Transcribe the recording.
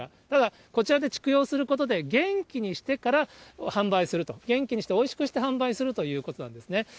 だから、こちらで畜養することで、元気にしてから販売すると、元気にしておいしく販売するということなんですね。